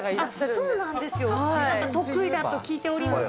そうなんですよ。